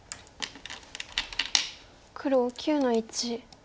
黒９の一。